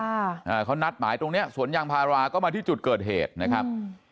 อ่าเขานัดหมายตรงเนี้ยสวนยางพาราก็มาที่จุดเกิดเหตุนะครับ